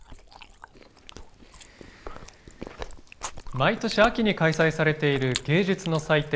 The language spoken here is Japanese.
毎年秋に開催されている芸術の祭典